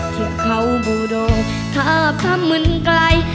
เที่ยวเข้าบุโดทับทับมื้นไกล